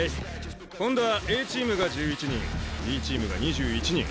今度はＡチームが１１人Ｂチームが２１人。